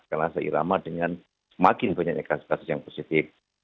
karena seirama dengan semakin banyak ekstasis yang positif